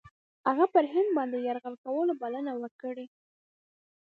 هغه پر هند باندي یرغل کولو بلنه ورکړې.